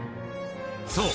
［そう！